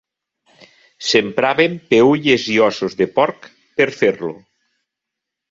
S'empraven peülles i ossos de porc per fer-lo.